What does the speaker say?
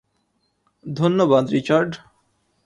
ধন্যবাদ, রিচার্ড।